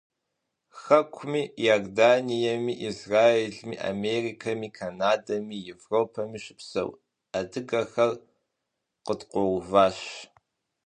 Хэкуми, Иорданиеми, Израилми, Америкэми, Канадэми, Европэми щыпсэу адыгэхэр къыткъуэуващ.